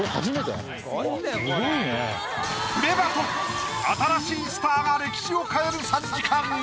『プレバト』新しいスターが歴史を変える３時間！